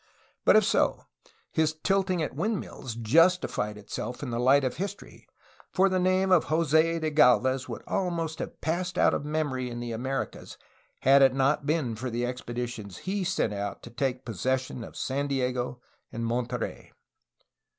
But, if so, his ' 'tilting at windmills'' justified itself in the light of history, for the name of Jose de Gdlvez would almost have passed out of memory in the Americas, had it not been for the expeditions he sent out to take possession of San Diego and Monterey.